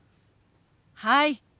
はい。